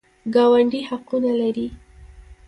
ګاونډي حقونه لري